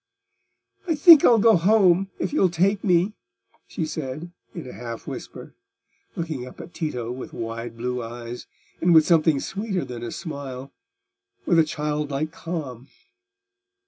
"I think I'll go home, if you'll take me," she said, in a half whisper, looking up at Tito with wide blue eyes, and with something sweeter than a smile—with a childlike calm.